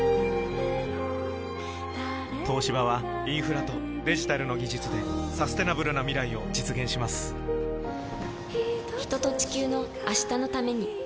東芝はインフラとデジタルの技術でサステナブルな未来を実現します人と、地球の、明日のために。